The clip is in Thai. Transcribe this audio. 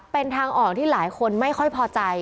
เป็นทางออกที่หลายคนไม่ค่อยพอใจ